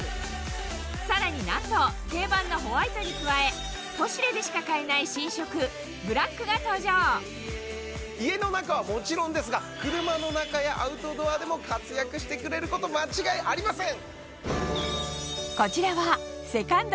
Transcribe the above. さらになんと定番のホワイトに加え『ポシュレ』でしか買えない新色ブラックが登場家の中はもちろんですが車の中やアウトドアでも活躍してくれること間違いありません！